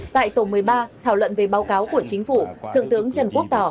tại tổ một mươi ba thảo luận về báo cáo của chính phủ thượng tướng trần quốc tỏ